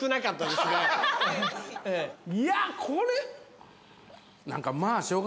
いやこれ。